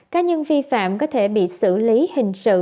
cá nhân vi phạm có thể bị xử lý hình sự